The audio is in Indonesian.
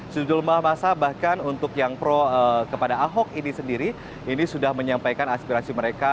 sejumlah masa bahkan untuk yang pro kepada ahok ini sendiri ini sudah menyampaikan aspirasi mereka